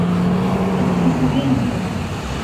okcidento